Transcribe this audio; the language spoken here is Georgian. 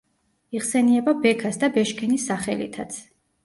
იხსენიება ბექას და ბეშქენის სახელითაც.